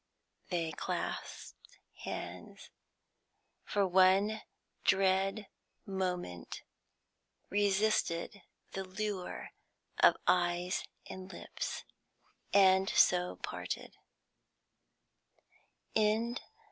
They clasped hands, for one dread moment resisted the lure of eyes and lips, and so parted.